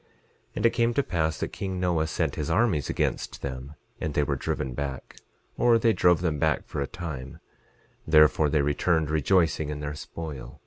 11:18 And it came to pass that king Noah sent his armies against them, and they were driven back, or they drove them back for a time; therefore, they returned rejoicing in their spoil.